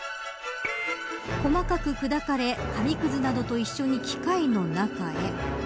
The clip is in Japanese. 細かく砕かれ紙くずなどと一緒に機械の中へ。